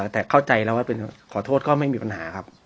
แต่เข้าใจแล้วว่าขอโทษก็ไม่มีปัญหาครับ